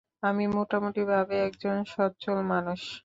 আমি মোটামুটিভাবে এক জন স্বচ্ছল মানুষ।